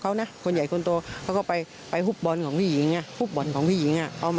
เป็นวันนี้ทุกคนทำสิ่งผลลงโทษ